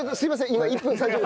今１分３０秒。